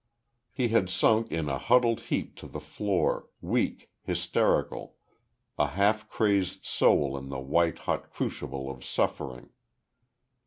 He had sunk in a huddled heap to the floor, weak, hysterical a half crazed soul in the white hot crucible of suffering.